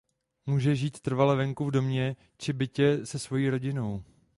Může žít trvale venku v domě či bytě se svojí rodinou.